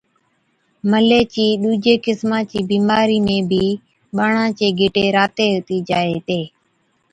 ملي چي ڏُوجي قِسما چِي بِيمارِي ۾ بِي ٻاڙان چي گِٽي راتي هُتِي جائي هِتي